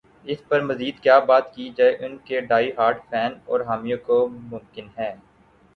اس پر مزید کیا بات کی جائے ان کے ڈائی ہارڈ فین اور حامیوں کو ممکن ہے۔